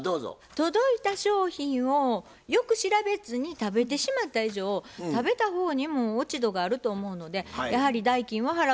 届いた商品をよく調べずに食べてしまった以上食べた方にも落ち度があると思うのでやはり代金は払う必要があると思います。